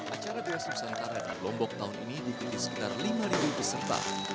acara durasi nusantara di lombok tahun ini diikuti sekitar lima peserta